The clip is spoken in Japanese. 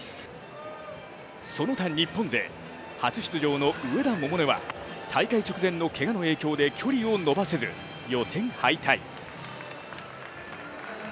その他日本勢、初出場の上田百寧は大会直前のけがの影響で距離を伸ばせず、予選敗退。